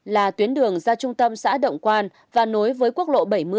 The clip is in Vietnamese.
là tuyến đường ra trung tâm xã động quan và nối với quốc lộ bảy mươi